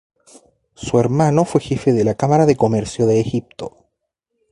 Su hermano fue jefe de la Cámara de Comercio de Egipto.